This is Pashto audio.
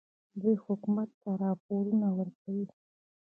دوی حکومت ته راپورونه ورکوي.